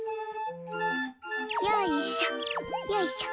よいしょよいしょ！